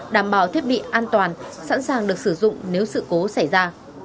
đảm bảo thiết bị an toàn sẵn sàng được sử dụng nếu sự cố xảy ra